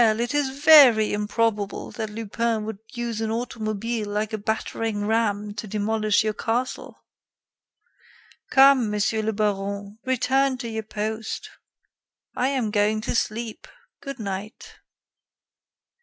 it is very improbable that Lupin would use an automobile like a battering ram to demolish your castle. Come, Monsieur le Baron, return to your post. I am going to sleep. Good night."